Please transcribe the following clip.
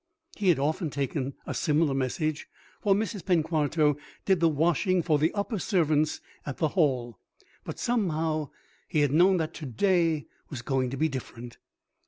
He had often taken a similar message, for Mrs. Penquarto did the washing for the upper servants at the Hall, but somehow he had known that to day was going to be different.